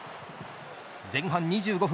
前半２５分。